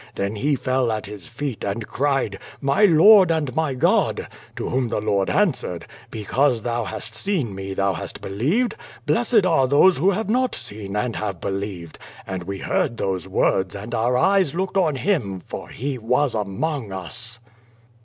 Then he fell at His feet and cried. QUO VADI8. 163 'My Lord and my God!' To whom the Lord answered 'Be cause thou hast seen Me, thou hast beUeved; blessed are they who have not seen and have believed.' And we heard those words and our eyes looked on llim I'ur He was among us."